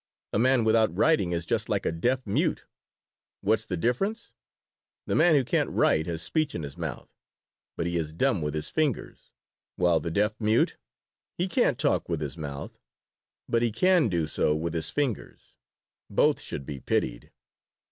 "A man without writing is just like a deaf mute. What's the difference? The man who can't write has speech in his mouth, but he is dumb with his fingers, while the deaf mute he can't talk with his mouth, but he can do so with his fingers. Both should be pitied.